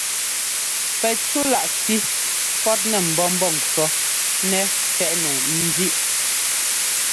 Pɛcúláꞌ fí pɔ́tnɛ mbɔ̌ Mbɔ́ŋkʉɔ́ nɛ fɛ́ꞌnɛ ńzíꞌ.